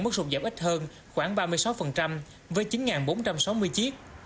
mức sụt giảm ít hơn khoảng ba mươi sáu với chín bốn trăm sáu mươi chiếc